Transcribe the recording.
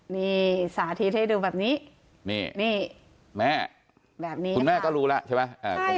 นี่สาธิตให้ดูแบบนี้นี่แม่แบบนี้คุณแม่ก็รู้แล้วใช่ไหม